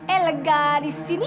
elegan di sini